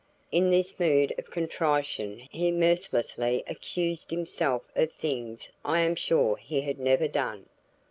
In this mood of contrition he mercilessly accused himself of things I am sure he had never done.